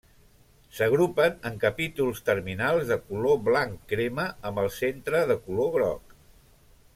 S'agrupen en capítols terminals de color blanc-crema amb el centre de color groc.